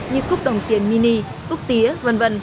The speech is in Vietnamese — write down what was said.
như cúc đồng tiền mini cúc tía v v